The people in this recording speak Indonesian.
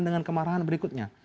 dengan kemarahan berikutnya